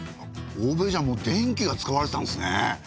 欧米じゃもう電気が使われてたんですね。